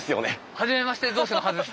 はじめまして同士のはずです。